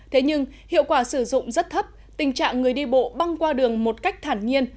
thế nhưng hiệu quả sử dụng rất thấp tình trạng người đi bộ băng qua đường một cách thản nhiên